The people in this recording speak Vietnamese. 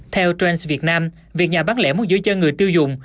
theo trends việt nam việc nhà bán lẽ muốn giữ chân người tiêu dùng